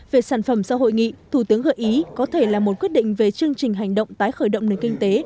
về sản phẩm sau hội nghị thủ tướng gợi ý có thể là một quyết định về chương trình hành động tái khởi động nền kinh tế